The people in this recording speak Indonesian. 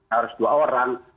harus dua orang